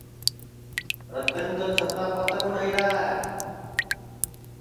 رتن تو چھتاپ پتنٚگ اُڈؔائیرا ہے